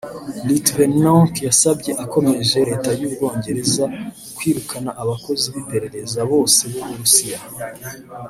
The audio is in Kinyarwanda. Litvinenko yasabye akomeje Leta y’u Bwongereza kwirukana abakozi b’iperereza bose b’u Burusiya